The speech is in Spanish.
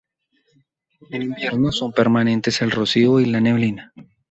En invierno son permanentes el rocío y la neblina.